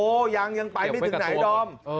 โอ้ยยังไปไม่ถึงไหนล้วง